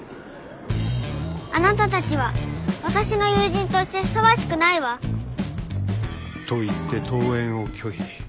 あなたたちは私の友人としてふさわしくないわ。と言って登園を拒否。